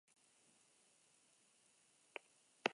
Jokalariak ondo itzuli dira.